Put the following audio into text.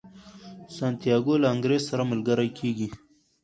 سانتیاګو له انګریز سره ملګری کیږي.